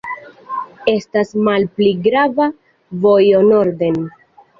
Estas malpli grava vojo norden.